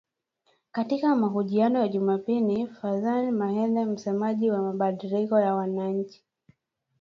Katika mahojiano ya Jumapili, Fadzayi Mahere, msemaji wa mabadiliko ya wananchi.